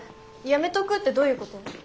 やめとくってどういうこと？